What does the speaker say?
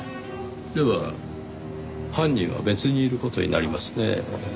では犯人は別にいる事になりますね。